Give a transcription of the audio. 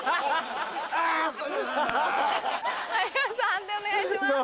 判定お願いします。